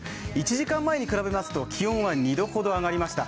１時間前に比べると気温は２度ほど上がりました。